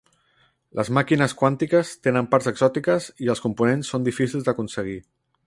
Les màquines quàntiques tenen parts exòtiques i els components són difícils d'aconseguir.